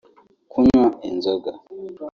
kunywa inzoga